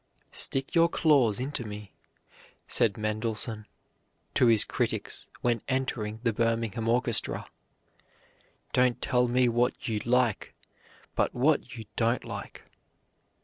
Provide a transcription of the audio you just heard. "Stick your claws into me," said Mendelssohn to his critics when entering the Birmingham orchestra. "Don't tell me what you like, but what you don't like."